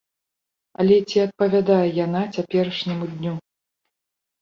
Але ці адпавядае яна цяперашняму дню?